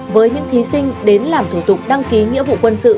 với những thí sinh đến làm thủ tục đăng ký nghĩa vụ quân sự